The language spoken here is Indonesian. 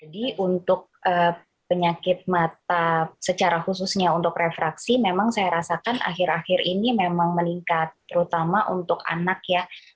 jadi untuk penyakit mata secara khususnya untuk refraksi memang saya rasakan akhir akhir ini memang meningkat terutama untuk anak ya